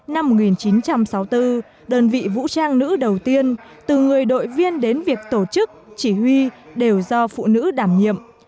năm một nghìn chín trăm sáu mươi bốn đơn vị vũ trang nữ đầu tiên từ người đội viên đến việc tổ chức chỉ huy đều do phụ nữ đảm nhiệm